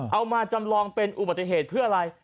เอามาจำลองเป็นอุบัติเหตุเพื่ออะไร